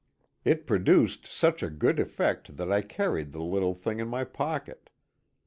It produced such a good effect that I carried the little thing in my pocket.